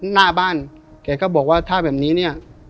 หน้าบ้านแกก็บอกว่าถ้าแบบนี้เนี่ย